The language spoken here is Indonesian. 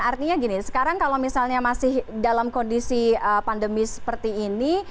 artinya gini sekarang kalau misalnya masih dalam kondisi pandemi seperti ini